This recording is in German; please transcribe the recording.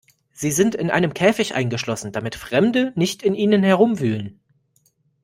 Sie sind in einen Käfig eingeschlossen, damit Fremde nicht in ihnen herumwühlen.